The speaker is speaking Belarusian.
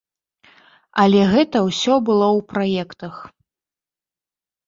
Але гэта ўсё было ў праектах.